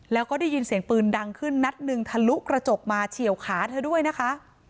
แล้วก็ได้ยินเสียงปืนดังขึ้นนัดหนึ่งทะลุกระจกมาเฉียวขาเธอด้วยนะคะ